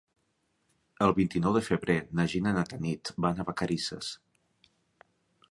El vint-i-nou de febrer na Gina i na Tanit van a Vacarisses.